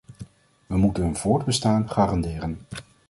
We moeten hun voortbestaan garanderen.